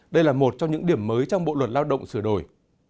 đây là một trong những điểm mới trong bộ luật lao động sửa đổi